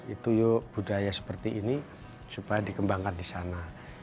itu yuk budaya seperti ini supaya dikembangkan di sana